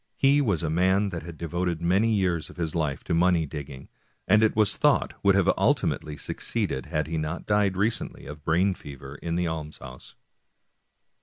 He was a man that had devoted many years of his life to money digging, and it v^as thought would have ultimately succeeded had he not died recently of a brain fever in the almshouse.